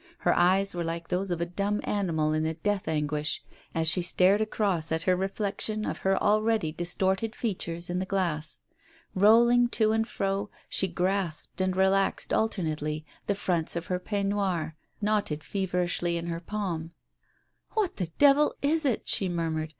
Her eyes were like those of a dumb animal in the death anguish, as she stared across at her reflection of her already distorted features in the glass. Rolling to and fro, she grasped and relaxed alternately the fronts of her peignoir, knotted feverishly in her palm. "What the divil is it?" she murmured.